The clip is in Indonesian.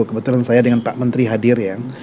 kebetulan saya dengan pak menteri hadir ya